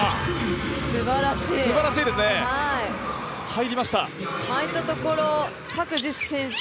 すばらしいですねああいったところパク・ジス選手